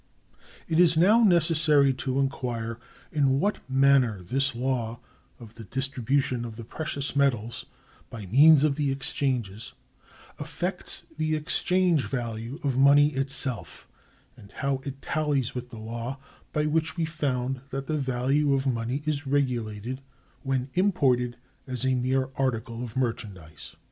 It is now necessary to inquire in what manner this law of the distribution of the precious metals by means of the exchanges affects the exchange value of money itself; and how it tallies with the law by which we found that the value of money is regulated when imported as a mere article of merchandise.